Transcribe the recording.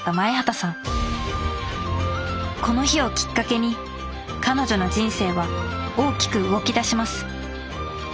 この日をきっかけに彼女の人生は大きく動き出します